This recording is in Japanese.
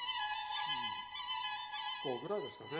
３４５ぐらいですかね。